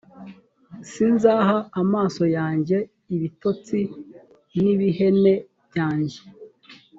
sinzaha amaso yanjye ibitotsi n ibihene byanjye